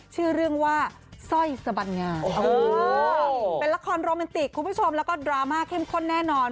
ชื่อเรื่องว่าสร้อยสบันงาเป็นละครโรแมนติกคุณผู้ชมแล้วก็ดราม่าเข้มข้นแน่นอน